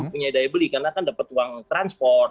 punya daya beli karena kan dapat uang transport